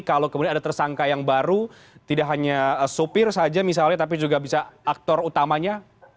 kalau kemudian ada tersangka yang baru tidak hanya sopir saja misalnya tapi juga bisa aktor utamanya